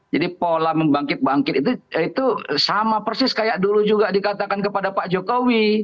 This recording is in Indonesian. jadi pola membangkit bangkit itu sama persis kayak dulu juga dikatakan kepada pak jokowi